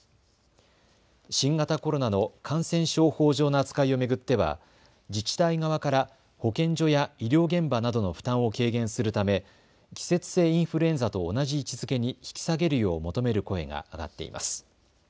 新型コロナの感染症法上の扱いを巡っては自治体側から保健所や医療現場などの負担を軽減するため季節性インフルエンザと同じ位置づけに引き下げるよう求める声が上がっています。